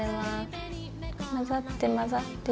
混ざって混ざって。